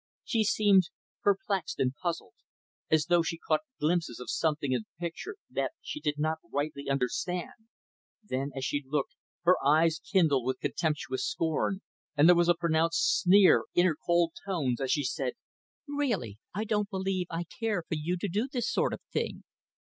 She seemed perplexed and puzzled, as though she caught glimpses of something in the picture that she did not rightly understand Then, as she looked, her eyes kindled with contemptuous scorn, and there was a pronounced sneer in her cold tones as she said, "Really, I don't believe I care for you to do this sort of thing."